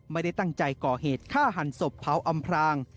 ไม่ได้ตั้งใจก่อเหตุฆ่าหันศพเผาอำพราง